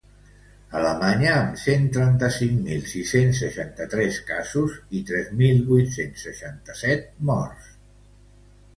Alemanya, amb cent trenta-cinc mil sis-cents seixanta-tres casos i tres mil vuit-cents seixanta-set morts.